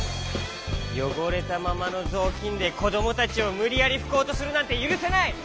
よごれたままのぞうきんでこどもたちをむりやりふこうとするなんてゆるせない！